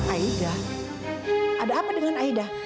aida ada apa dengan aida